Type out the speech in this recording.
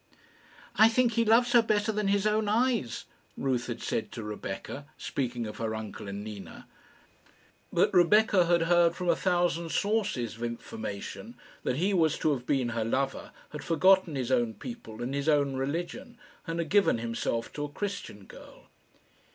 "I think he loves her better than his own eyes," Ruth had said to Rebecca, speaking of her uncle and Nina. But Rebecca had heard from a thousand sources of information that he who was to have been her lover had forgotten his own people and his own religion, and had given himself to a Christian girl.